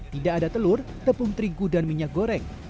tidak ada telur tepung terigu dan minyak goreng